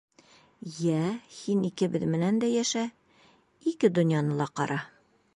Йә һин икебеҙ менән дә йәшә, ике донъяны ла ҡара.